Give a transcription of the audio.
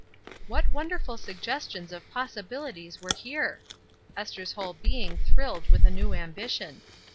What wonderful suggestions of possibilities were here ! Esther's whole being thrilled with a new ambition.